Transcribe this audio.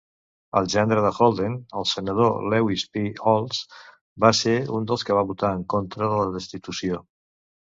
El gendre de Holden, el senador Lewis P. Olds, va ser un dels que va votar en contra de la destitució.